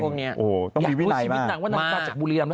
ต้องมีวินัยมากอยากพูดชีวิตนางว่านางตายจากบุรีลำ